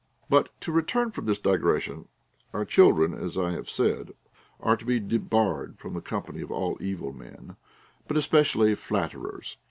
But to return from this digression, — our children, as 1 have said, are to be debarred the company of all evil men, but especially flatterers.